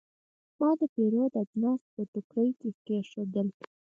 ما د پیرود اجناس په ټوکرۍ کې کېښودل.